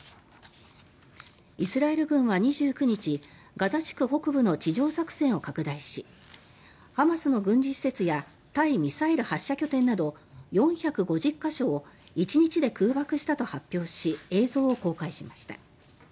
イスラエル軍は２９日ガザ地区北部の地上作戦を拡大しハマスの軍事施設や対ミサイル発射拠点など４５０か所を１日で空爆したと発表し映像を公開しました。